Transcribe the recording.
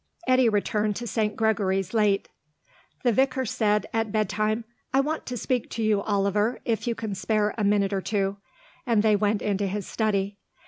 Eddy returned to St. Gregory's late. The vicar said, at bedtime, "I want to speak to you, Oliver, if you can spare a minute or two," and they went into his study.